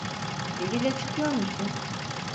Biriyle çıkıyor musun?